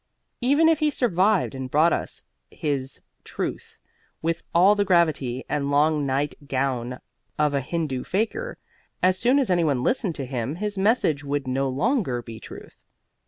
Even if he survived and brought us his Truth with all the gravity and long night gown of a Hindu faker, as soon as any one listened to him his message would no longer be Truth.